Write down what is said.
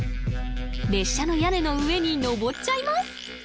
列車の屋根の上にのぼっちゃいます